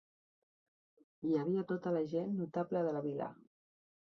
Hi havia tota la gent notable de la vila.